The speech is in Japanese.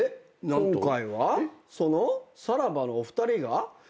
今回はそのさらばのお二人が来て。